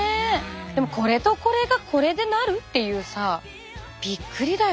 でもこれとこれがこれでなるっていうさびっくりだよね。